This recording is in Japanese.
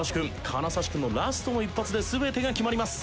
金指君のラストの１発で全てが決まります。